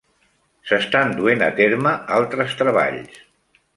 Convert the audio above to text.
S'estan duent a terme altres treballs.